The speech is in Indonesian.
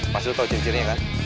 pasti lo tau ciri cirinya kan